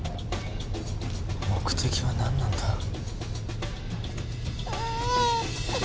目的は何なんだ？